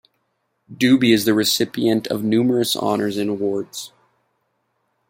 Dubie is the recipient of numerous honors and awards.